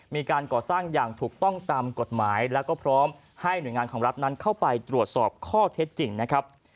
มีการก่อสร้างอย่างถูกต้องตามกฎหมายแล้วก็พร้อมให้หน่วยงานของรัฐนั้นเข้าไปตรวจสอบข้อเท็จจริงนะครับ